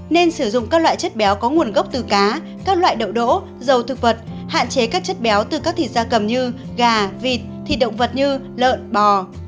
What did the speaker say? nên sử dụng các loại chất béo có nguồn gốc từ cá các loại đậu đỗ dầu thực vật hạn chế các chất béo từ các thịt da cầm như gà vịt thịt động vật như lợn bò